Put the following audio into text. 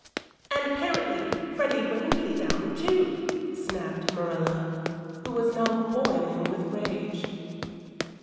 "And apparently Freddy Wensleydown, too," snapped Morella, who was now boiling with rage.